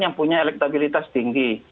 yang punya elektabilitas tinggi